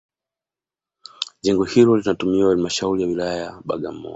Jengo hilo linatumiwa na halmashauri ya wilaya Bagamoyo